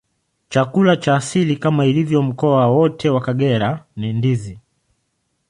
Chakula cha asili, kama ilivyo kwa mkoa wote wa Kagera, ni ndizi.